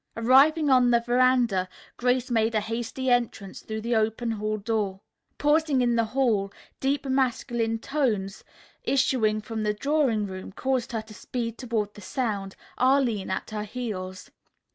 Arriving on the veranda, Grace made a hasty entrance through the open hall door. Pausing in the hall, deep masculine tones, issuing from the drawing room, caused her to speed toward the sound, Arline at her heels.